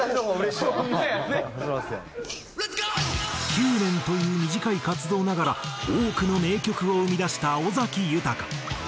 ９年という短い活動ながら多くの名曲を生み出した尾崎豊。